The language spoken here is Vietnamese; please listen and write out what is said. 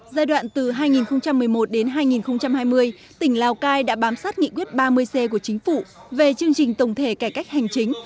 giai đoạn từ hai nghìn một mươi một đến hai nghìn hai mươi tỉnh lào cai đã bám sát nghị quyết ba mươi c của chính phủ về chương trình tổng thể cải cách hành chính